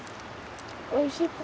おいしい？